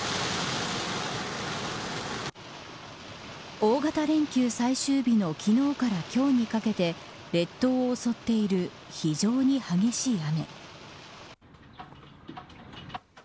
大型連休最終日の昨日から今日にかけて列島を襲っている非常に激しい雨。